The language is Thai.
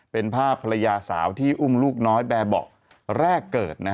เป็นภาพภรรยาสาวที่อุ้มลูกน้อยแบบเบาะแรกเกิด